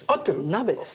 鍋です。